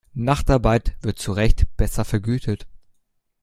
Nachtarbeit wird zurecht besser vergütet.